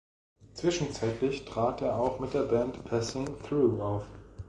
Zwischenzeitlich trat er auch mit der Band "Passing Through" auf.